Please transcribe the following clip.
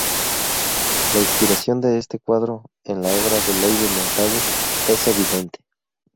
La inspiración de este cuadro en la obra de Lady Montagu es evidente.